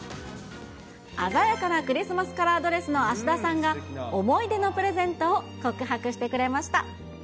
鮮やかなクリスマスカラードレスの芦田さんが、思い出のプレゼントを告白してくれました。